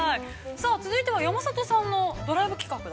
さあ続いては山里さんのドライブ企画。